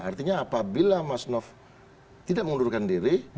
artinya apabila mas nof tidak mengundurkan diri